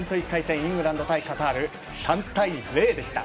イングランド対セネガル３対０でした。